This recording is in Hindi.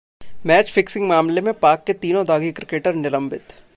मैच फिक्सिंग मामले में पाक के तीनों दागी क्रिकेटर निलंबित